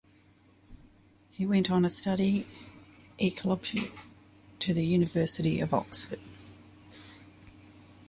He went on to study Egyptology at the University of Oxford.